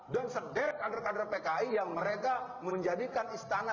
dan sederhana kader kader pki yang mereka menjadikan istana